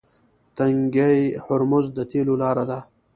تنګی هرمز د تیلو لاره ده.